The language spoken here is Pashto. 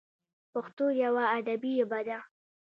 پښتو یوه ادبي ژبه ده.